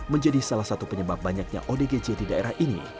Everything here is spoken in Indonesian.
menjadi salah satu penyebab banyaknya odgj di daerah ini